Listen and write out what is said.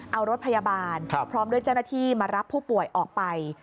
เอารถพยาบาลพร้อมด้วยเจ้าหน้าที่มารับผู้ป่วยออกไป